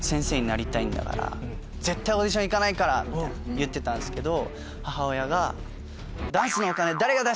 言ってたんすけど。